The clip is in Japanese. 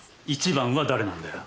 １番は誰なんだよ？